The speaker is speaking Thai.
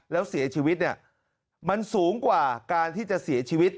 แล้วเสียชีวิตเนี่ยมันสูงกว่าการที่จะเสียชีวิต